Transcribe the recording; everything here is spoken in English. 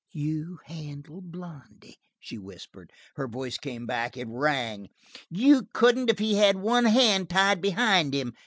"You handle Blondy!" she whispered. Her voice came back; it rang: "You couldn't if he had one hand tied behind him."